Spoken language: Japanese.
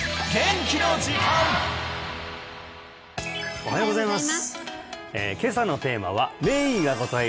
おはようございます